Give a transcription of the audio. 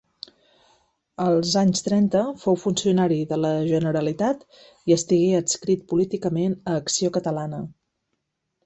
Els anys trenta fou funcionari de la Generalitat i estigué adscrit políticament a Acció Catalana.